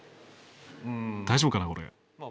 大丈夫かなこれ。